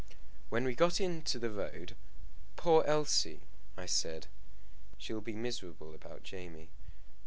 When we got into the road "Poor Elsie!" I said; "she'll be miserable about Jamie."